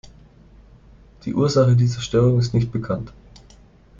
Die Ursache dieser Störung ist nicht bekannt.